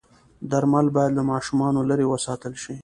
درمل باید له ماشومانو لرې وساتل شي.